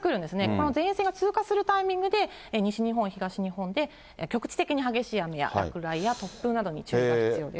この前線が通過するタイミングで、西日本、東日本で局地的に激しい雨や落雷や突風などに注意が必要です。